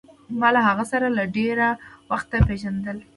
ما له هغه سره له ډېره وخته پېژندل.